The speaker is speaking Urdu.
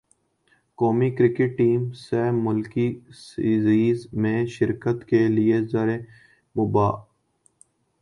قومی کرکٹ ٹیم سہ ملکی سیریز میں شرکت کے لیے زمبابوے پہنچ گئی